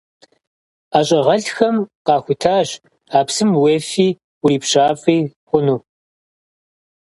Ӏэщӏагъэлӏхэм къахутащ а псым уефи урипщафӏи хъуну.